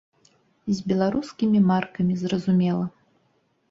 З беларускімі маркамі зразумела.